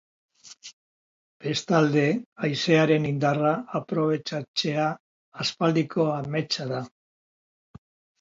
Bestalde, haizearen indarra aprobetxatzea aspaldiko ametsa da.